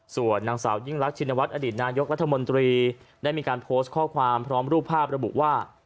ส่วนนางสาวยิ่งรักชินวัฒนอดีตนายกรัฐมนตรีได้มีการโพสต์ข้อความพร้อมรูปภาพระบุว่า